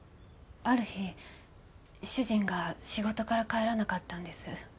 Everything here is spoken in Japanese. ある日主人が仕事から帰らなかったんです。